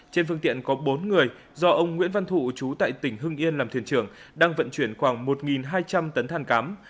trên phương tiện có bốn người do ông nguyễn văn thụ chú tại tỉnh hưng yên làm thuyền trưởng đang vận chuyển khoảng một hai trăm linh tấn thàn cám